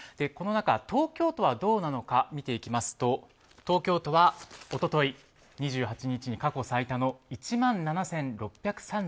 この中、東京都はどうなのか見ていきますと東京都は一昨日２８日に過去最多の１万７６３１人。